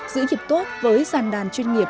giữ dịp tốt với sàn đàn chuyên nghiệp